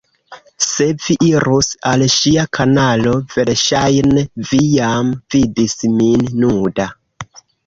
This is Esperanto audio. Se vi irus al ŝia kanalo verŝajne vi jam vidis min nuda